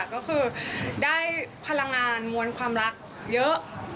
ก็คือได้พลังงานมวลความรักเยอะ